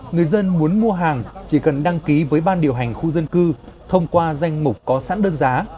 người dân muốn mua hàng chỉ cần đăng ký với ban điều hành khu dân cư thông qua danh mục có sẵn đơn giá